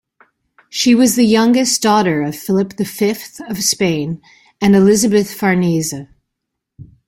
She was the youngest daughter of Philip the Fifth of Spain and Elisabeth Farnese.